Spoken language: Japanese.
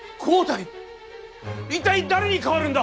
一体誰に替わるんだ？